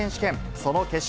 その決勝。